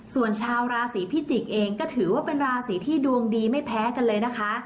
ส่วนชาวราศีพิจิกษ์เองก็ถือว่าเป็นราศีที่ดวงดีไม่แพ้กันเลยนะคะ